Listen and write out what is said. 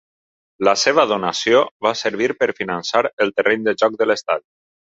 La seva donació va servir per finançar el terreny de joc de l'estadi.